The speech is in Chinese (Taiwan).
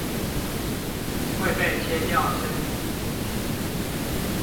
會被切掉身體